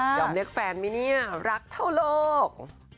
อย่าเอาเรียกแฟนมิเนี่ยรักเท่าโลก